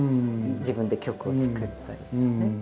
自分で曲を作ったりですね。